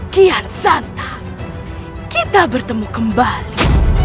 kian santa kita bertemu kembali